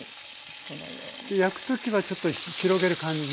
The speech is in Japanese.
焼く時はちょっと広げる感じ。